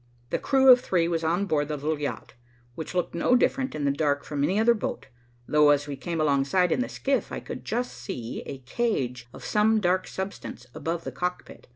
The crew of three was on board the little yacht, which looked no different in the dark from any other boat, though, as we came alongside in the skiff, I could just see a cage of some dark substance above the cockpit.